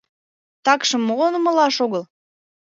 Такшым молан умылаш огыл?